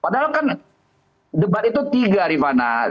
padahal kan debat itu tiga rifana